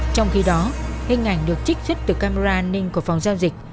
trong khi đó hình ảnh được trích xuất từ camera an ninh của phòng giao dịch